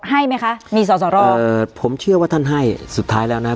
ให้ไหมคะมีสอสอรอเอ่อผมเชื่อว่าท่านให้สุดท้ายแล้วนะฮะ